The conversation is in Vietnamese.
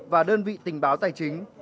và đơn vị tình báo tài chính